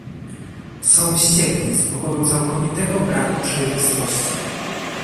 Są wściekli z powodu całkowitego braku przejrzystości